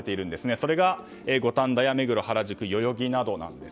それが五反田、目黒、原宿代々木などです。